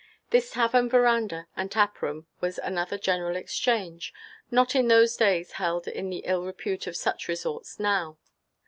This tavern veranda and tap room was another general exchange, not in those days held in the ill repute of such resorts now.